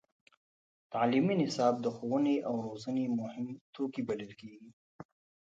تعلیمي نصاب د ښوونې او روزنې مهم توکی بلل کېږي.